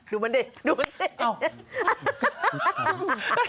ดูมันเด็กดูมันเสร็จ